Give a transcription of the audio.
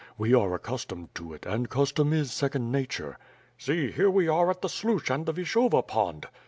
We are accustomed to it, and custom is second nature." "See, here we are at the Sluch and the Vishova Pond."